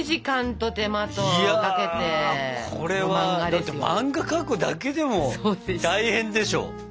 だって漫画描くだけでも大変でしょ。